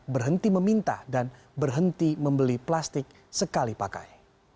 berhenti meminta dan berhenti membeli plastik sekali pakai